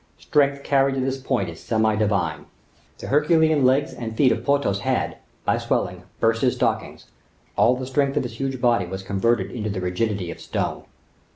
Strength carried to this point is semi divine. The Herculean legs and feet of Porthos had, by swelling, burst his stockings; all the strength of his huge body was converted into the rigidity of stone.